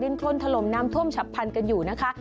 คนถล่มน้ำท่วมฉับพันกันอยู่นะคะ